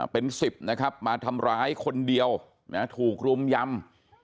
เป็น๑๐นะครับมาทำร้ายคนเดียวถูกรุมยำ